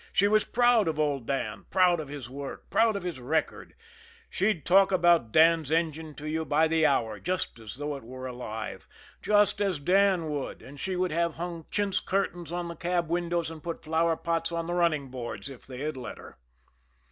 She was proud of old Dan, proud of his work, proud of his record; she'd talk about Dan's engine to you by the hour just as though it were alive, just as Dan would, and she would have hung chintz curtains on the cab windows and put flower pots on the running boards if they had let her.